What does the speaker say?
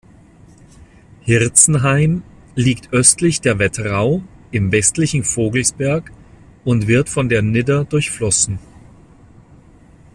Hirzenhain liegt östlich der Wetterau im westlichen Vogelsberg und wird von der Nidder durchflossen.